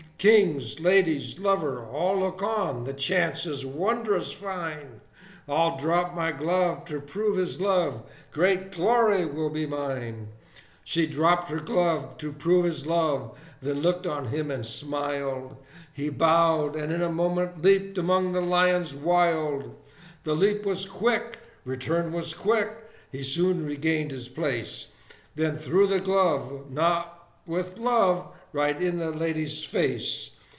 King, ladies, lover, all look on; the chance is wond'rous fine; I'll drop my glove to prove his love; great glory will be mine!" She dropped her glove to prove his love: then looked on him and smiled; He bowed and in a moment leaped among the lions wild: The leap was quick; return was quick; he soon regained his place; Then threw the glove, but not with love, right in the lady's face!